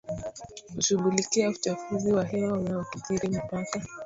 kushughulikia uchafuzi wa hewa unaokithiri mipaka